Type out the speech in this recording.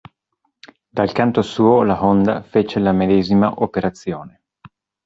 Dal canto suo, la Honda fece la medesima operazione.